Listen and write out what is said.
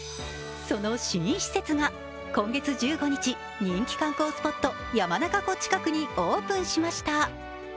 その新施設が今月１５日、人気観光スポット山中湖近くにオープンしました。